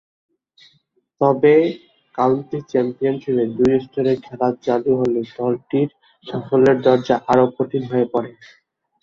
তবে, কাউন্টি চ্যাম্পিয়নশীপে দুই স্তরের খেলা চালু হলে দলটির সাফল্যের দরজা আরও কঠিন হয়ে পড়ে।